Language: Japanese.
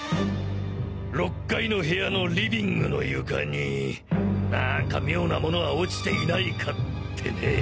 ６階の部屋のリビングの床に何か妙なものは落ちていないかってね。